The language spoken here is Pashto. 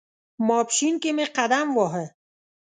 ماپښین کې مې قدم واهه.